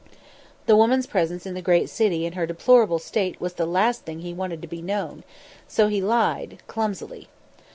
The woman's presence in the great city in her deplorable state was the last thing he wanted to be known; so he lied clumsily.